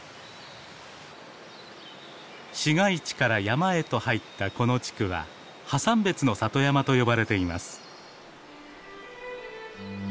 市街地から山へと入ったこの地区は「ハサンベツの里山」と呼ばれています。